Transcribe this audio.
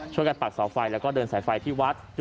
ช่วยกันปักเสาไฟแล้วก็เดินใส่ไฟที่วัด